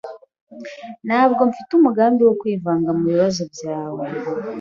Ntabwo mfite umugambi wo kwivanga mubibazo byawe.